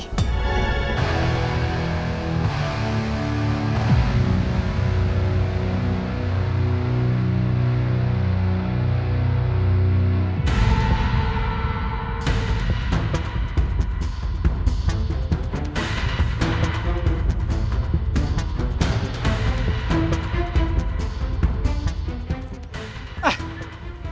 masih ada oppp